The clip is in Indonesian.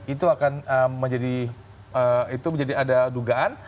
itu akan menjadi itu menjadi ada dugaan